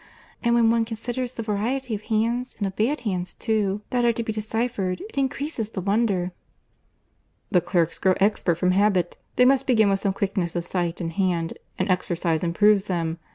And when one considers the variety of hands, and of bad hands too, that are to be deciphered, it increases the wonder." "The clerks grow expert from habit.—They must begin with some quickness of sight and hand, and exercise improves them.